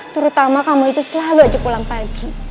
terutama kamu itu selalu aja pulang pagi